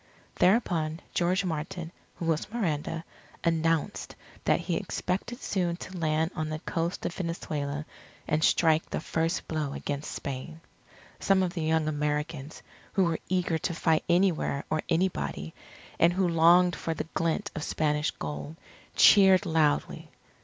Thereupon George Martin who was Miranda announced that he expected soon to land on the coast of Venezuela and strike the first blow against Spain. Some of the young Americans, who were eager to fight anywhere or anybody, and who longed for the glint of Spanish Gold, cheered loudly.